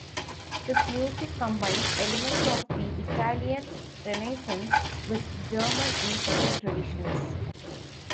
His music combines elements of the Italian Renaissance with German musical traditions.